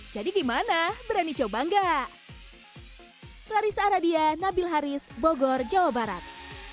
jadi gimana berani coba enggak